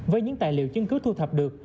với những tài liệu chứng cứ thu thập được